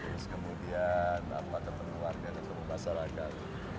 terus kemudian ketemu warga ketemu masyarakat